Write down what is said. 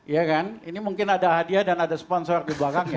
ya kan ini mungkin ada hadiah dan ada sponsor di belakangnya